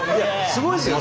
すごいんですよね。